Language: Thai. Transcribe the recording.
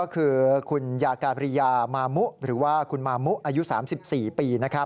คุณมามุอายุ๓๔ปี